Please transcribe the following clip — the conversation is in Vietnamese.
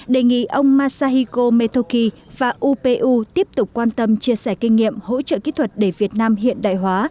đề nghị ông masahiko metoki và upu tiếp tục quan tâm chia sẻ kinh nghiệm hỗ trợ kỹ thuật để việt nam hiện đại hóa